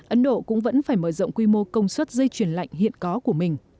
ấn độ cũng vẫn phải mở rộng quy mô công suất dây chuyển lạnh hiện có của mình